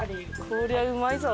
こりゃうまいぞ。